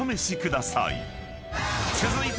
［続いて］